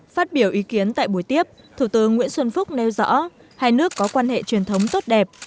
phát biểu ý kiến tại buổi tiếp thủ tướng nguyễn xuân phúc nêu rõ hai nước có quan hệ truyền thống tốt đẹp